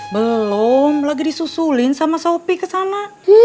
belum lagi disusulin sama sopi kesana